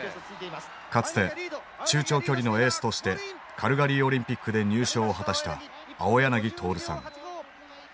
かつて中長距離のエースとしてカルガリーオリンピックで入賞を果たした青柳徹さん。